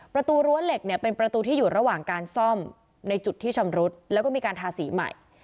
ประตูรั้วเหล็กเนี่ยเป็นประตูที่อยู่ระหว่างการซ่อมในจุดที่ชำรุดแล้วก็มีการทาสีใหม่